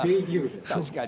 確かに。